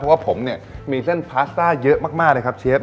เพราะว่าผมเนี่ยมีเส้นพาสต้าเยอะมากนะครับเชฟ